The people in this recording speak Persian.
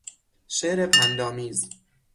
شعر پندآمیز